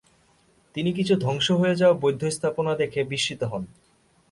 তিনি কিছু ধ্বংশ হয়ে যাওয়ে বৌদ্ধ স্থাপনা দেখে বিস্মিত হন।